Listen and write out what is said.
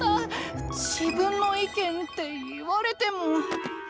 自分の意見って言われても。